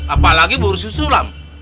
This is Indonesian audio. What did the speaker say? apalagi bubur susu lam